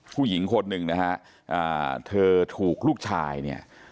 ผู้หญิงคนหนึ่งนะฮะเธอถูกลูกชายเนี่ย